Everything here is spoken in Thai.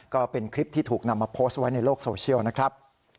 ก็เป็นคลิปที่ถูกนำมาโพสต์ไว้ในโลกโซเชียลนะครับ